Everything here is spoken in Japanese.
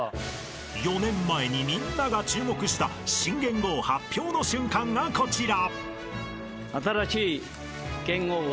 ［４年前にみんなが注目した新元号発表の瞬間がこちら］